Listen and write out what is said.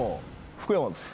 福山です。